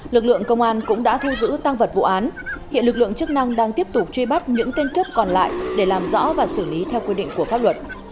lực lượng công an cũng đã thu giữ tăng vật vụ án hiện lực lượng chức năng đang tiếp tục truy bắt những tên cướp còn lại để làm rõ và xử lý theo quy định của pháp luật